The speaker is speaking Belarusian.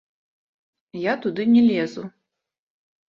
Я туды не лезу.